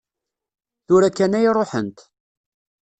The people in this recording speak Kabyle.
Tura kan ay ruḥent.